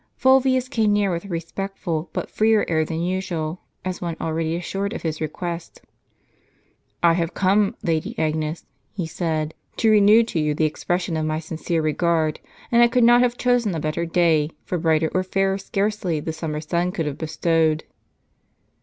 Fulvius came near with a respectful, but freer air than usual, as one already assured of his request. "I have come, Lady Agnes," he said, "to renew to you the expression of my sincere regard ; and I could not have chosen a better day, for brighter or fairer scarcely the summer sun could have bestowed."